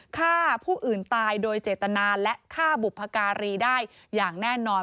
ฆ่าผู้อื่นตายโดยเจตนาและฆ่าบุพการีได้อย่างแน่นอน